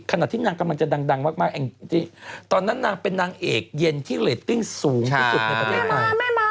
ขณะที่นางกำลังจะดังมากแองจี้ตอนนั้นนางเป็นนางเอกเย็นที่เรตติ้งสูงที่สุดในประเทศไทย